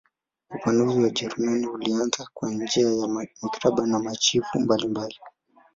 Upanuzi wa Wajerumani ulianza kwa njia ya mikataba na machifu mbalimbali.